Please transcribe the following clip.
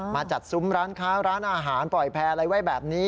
มาจัดซุ้มร้านค้าร้านอาหารปล่อยแพร่อะไรไว้แบบนี้